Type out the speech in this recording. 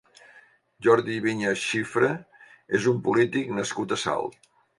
Jordi Viñas Xifra és un polític nascut a Salt.